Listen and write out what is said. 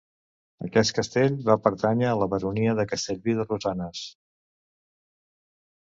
Aquest castell va pertànyer a la baronia de Castellví de Rosanes.